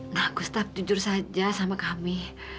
nah gustaf jujur saja sama kami